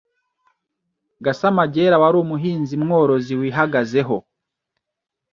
Gasamagera wari umuhinzi-mworozi wihagazeho